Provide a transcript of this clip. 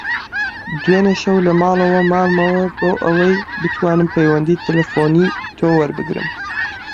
دوێنێ شەو لە ماڵەوە مامەوە بۆ ئەوەی بتوانم پەیوەندیی تەلەفۆنیی تۆ وەربگرم.